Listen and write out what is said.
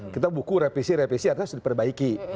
kita buku revisi revisi harus diperbaiki